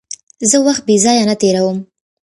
زه وخت بېځایه نه تېرووم.